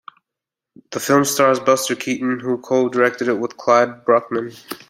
The film stars Buster Keaton who co-directed it with Clyde Bruckman.